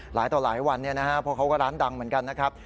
หลายต่อหลายวันเพราะเขาก็ร้านดังเหมือนกันนะครับ